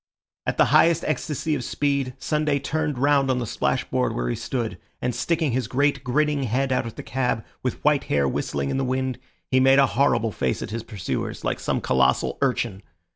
At the highest ecstacy of speed, Sunday turned round on the splashboard where he stood, and sticking his great grinning head out of the cab, with white hair whistling in the wind, he made a horrible face at his pursuers, like some colossal urchin.